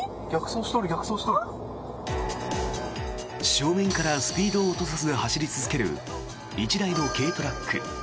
正面からスピードを落とさず走り続ける１台の軽トラック。